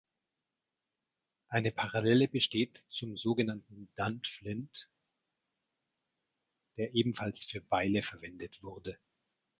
Eine Parallele besteht zum so genannten Dan-Flint, der ebenfalls für Beile verwendet wurde.